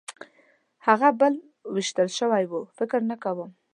هغه بل وېشتل شوی و؟ فکر نه کوم.